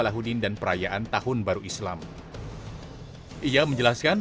sambil separuh pisau masuk ke dalam